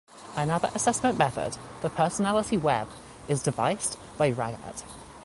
Another assessment method, the "Personality Web", is deviced by Raggatt.